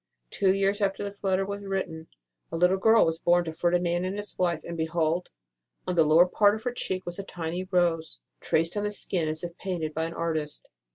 Two years after this letter was WHAT HAPPENED AFTER ROSE S DEATH l8g written a little girl was born to Ferdinand and his wife, and, behold ! on the lower part of her cheek was a tiny rose, traced on the skin as if painted by an artist.